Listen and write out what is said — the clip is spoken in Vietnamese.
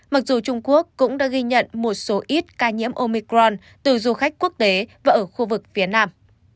mặc dù trung quốc cũng đã ghi nhận một số ít ca nhiễm omicron từ du khách quốc tế và ở khu vực phía nam